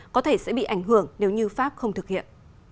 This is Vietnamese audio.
có thể sẽ bị ảnh hưởng nếu như pháp không thực hiện